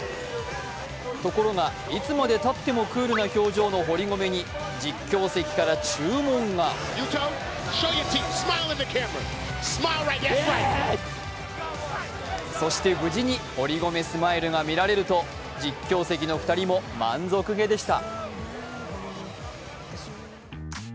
ところがいつまでたってもクールな表情の堀米に実況席から注文がそして無事に堀米スマイルが見られると実況席の２人も満足げでした。